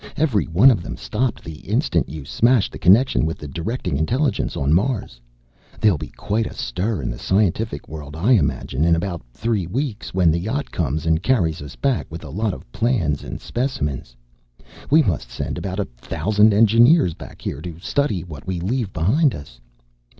Every one of them stopped the instant you smashed the connection with the directing intelligence on Mars. There'll be quite a stir in the scientific world, I imagine, in about three weeks, when the yacht comes and carries us back with a lot of plans and specimens. We must send about a thousand engineers back here to study what we leave behind us.